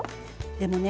でもね